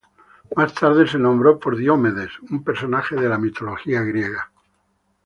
Más tarde se nombró por Diomedes, un personaje de la mitología griega.